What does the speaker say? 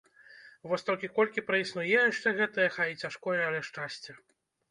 Вось толькі колькі праіснуе яшчэ гэтае, хай і цяжкое, але шчасце?